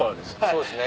そうですね。